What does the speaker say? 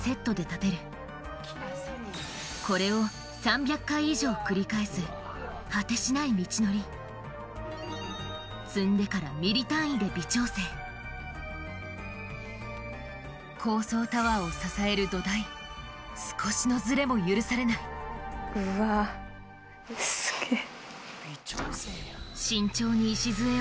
これを繰り返す果てしない道のり積んでから高層タワーを支える土台少しのズレも許されないうわすげぇ。